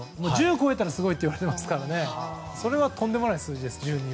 １０を超えたらすごいといわれていますから１２はとんでもない数字です。